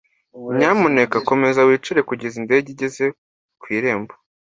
Nyamuneka komeza wicare kugeza indege igeze ku irembo.